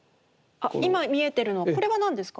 あっ今見えてるのこれは何ですか？